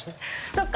そっか。